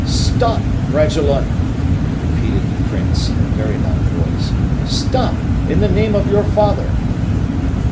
"'Stop, Bragelonne!' repeated the prince, in a very loud voice, 'stop! in the name of your father!